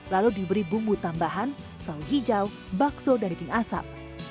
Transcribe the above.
lalu diberi bumbu tambahan saus hijau bakso dan daging asap